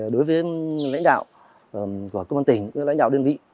đối với lãnh đạo của công an tỉnh lãnh đạo đơn vị